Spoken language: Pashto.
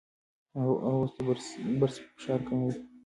هغه اوس د برس فشار کموي.